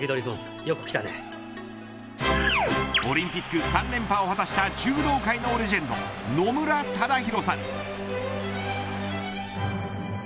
オリンピック３連覇を果たした柔道界のレジェンド野村忠宏さん。